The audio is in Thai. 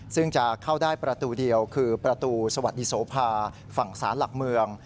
ซึ่งจะเข้าได้ประตูเดียวคือประตูสวัสดีโสภาฝั่งศาลหลักเมือง